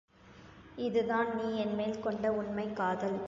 இதுதான் நீ என்மேல்கொண்ட உண்மைக் காதல்!